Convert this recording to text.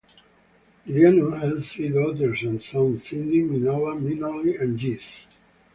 Liriano has three daughters and son: Cindy, Minelia, Minelly, and Jesse.